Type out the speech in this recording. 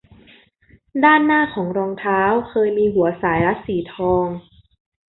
ด้านหน้าของรองเท้าเคยมีหัวสายรัดสีทอง